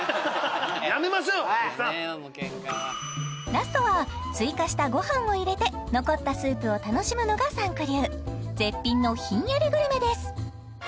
ラストは追加したごはんを入れて残ったスープを楽しむのがＴＨＡＮＫ流絶品のひんやりグルメです